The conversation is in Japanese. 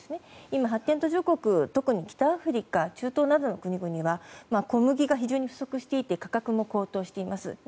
今、発展途上国は特に北アフリカ中東などの国々は小麦が非常に不足していて価格も高騰しています。